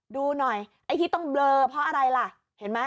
ดูหน่อยไอ้ที่ต้องเบลอเพราะอะไรล่ะเห็นไหม